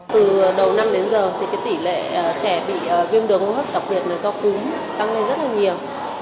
từ đầu năm đến giờ thì tỷ lệ trẻ bị viêm đường hô hấp đặc biệt là do cúm tăng lên rất là nhiều